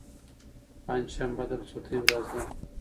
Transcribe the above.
پنجشنبه د رخصتۍ ورځ ده.